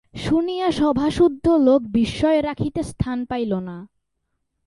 শুনিয়া সভাসুদ্ধ লোক বিস্ময় রাখিতে স্থান পাইল না।